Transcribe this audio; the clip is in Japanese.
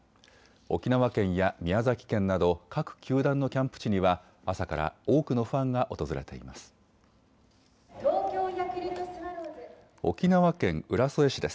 沖縄県や宮崎県など各球団のキャンプ地には朝から多くのファンが訪れています。